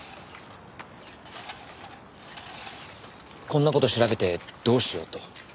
こんな事調べてどうしようと？